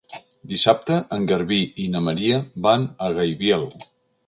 Dissabte en Garbí i na Maria van a Gaibiel.